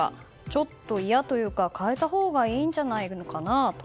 ちょっと嫌というか変えたほうがいいんじゃないかなと。